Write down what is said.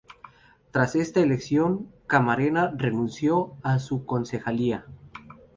Tras esta elección, Carmena renunció a su concejalía.